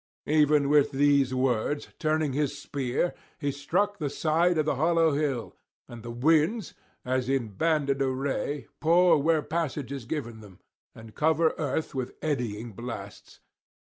Even with these words, turning his spear, he struck the side of the hollow hill, and the winds, as in banded array, pour where passage is given them, and cover earth with eddying blasts.